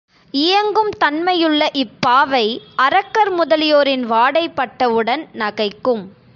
இயங்கும் தன்மையுள்ள இப் பாவை அரக்கர் முதலியோரின் வாடை பட்டவுடன் நகைக்கும்.